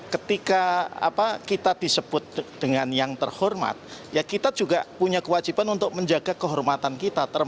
ketika kita disebut dengan yang terhormat ya kita juga punya kewajiban untuk menjaga kehormatan kita